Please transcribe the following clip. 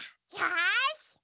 よし！